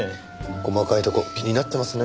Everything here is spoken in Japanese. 細かいとこ気になってますね。